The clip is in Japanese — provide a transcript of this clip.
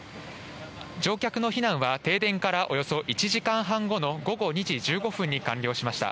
乗客の避難は停電からおよそ１時間半後の午後２時１５分に完了しました。